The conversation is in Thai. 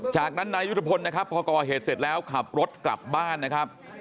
จากนั้นนายยุทธพลนะครับพอก่อเหตุเสร็จแล้วขับรถกลับบ้านนะครับ